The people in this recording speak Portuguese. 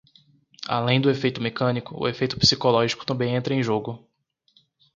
Além do efeito mecânico, o efeito psicológico também entra em jogo.